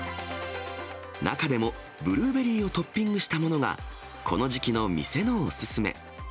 中でもブルーベリーをトッピングしたものが、この時期の店のお勧め。